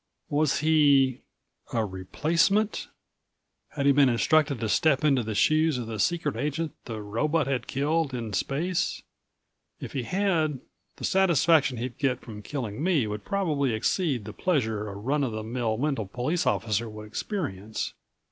Was he ... a replacement? Had he been instructed to step into the shoes of the secret agent the robot had killed in space? If he had, the satisfaction he'd get from killing me would probably exceed the pleasure a run of the mill Wendel police officer would experience.